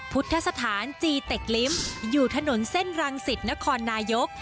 พุทธสถานจีเต็กลิ้มอยู่ถนนเส้นรังสิตนครนายก